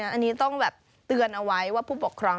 อันนี้ต้องแบบเตือนเอาไว้ว่าผู้ปกครอง